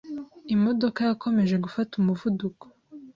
Imodoka yakomeje gufata umuvuduko.